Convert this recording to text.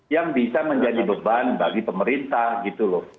yang bisa menjadi beban bagi pemerintah gitu loh